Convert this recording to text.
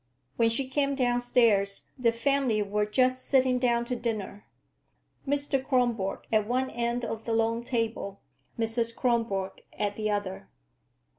When she came downstairs the family were just sitting down to dinner, Mr. Kronborg at one end of the long table, Mrs. Kronborg at the other.